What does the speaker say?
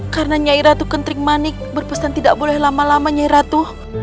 karena nyai ratu kentrik manik berpesan tidak boleh lama lama nyai ratu